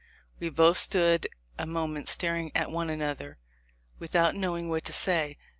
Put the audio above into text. We both stood a moment staring at one another without knowing what to say.